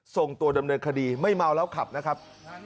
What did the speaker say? ส่งตัวดำเนินคดีไม่เมาแล้วขับนะครับ